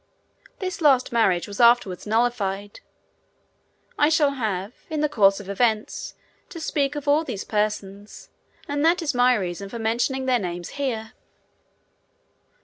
This last marriage was afterwards nullified. I shall have, in the course of events, to speak of all these persons, and that is my reason for mentioning their names here.